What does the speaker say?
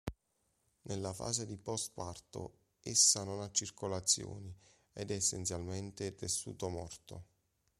Nella fase di post-parto, essa non ha circolazione ed è essenzialmente tessuto morto".